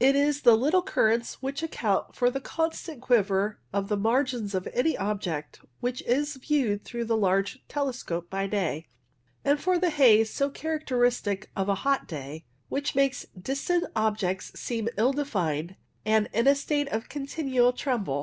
It is the little currents which account for 126 WAVE CLOUDS the constant quiver of the margins of any object which is viewed through a large telescope by day, and for the haze, so characteristic of a hot day, which makes distant objects seem ill defined and in a state of continual tremble.